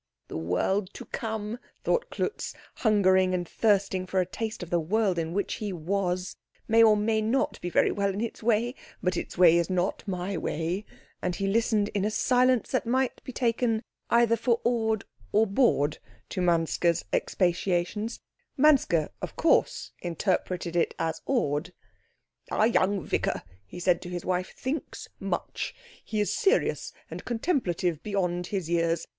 "The world to come," thought Klutz, hungering and thirsting for a taste of the world in which he was, "may or may not be very well in its way; but its way is not my way." And he listened in a silence that might be taken either for awed or bored to Manske's expatiations. Manske, of course, interpreted it as awed. "Our young vicar," he said to his wife, "thinks much. He is serious and contemplative beyond his years.